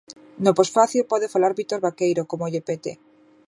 No posfacio pode falar Vítor Vaqueiro como lle pete.